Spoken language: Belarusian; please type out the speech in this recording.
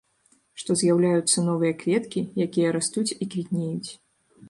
Што з'яўляюцца новыя кветкі, якія растуць і квітнеюць.